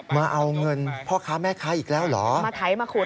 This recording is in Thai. มาเอาเงินพ่อค้าแม่ค้าอีกแล้วเหรอ